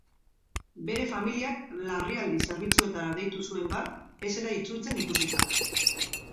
Bere familiak larrialdi zerbitzuetara deitu zuen bart, ez zela itzultzen ikusita.